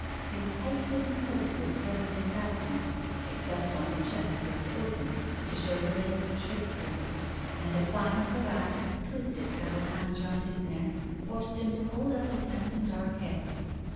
His iightly fitting coat was closely fastened, excej)t on the chest where it opened to show the lace shirt frill ; and a fine cravat, twisted several times round his neck, forced him to hold up his handsome dark head.